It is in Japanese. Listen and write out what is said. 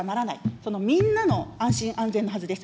このみんなの安心安全なはずです。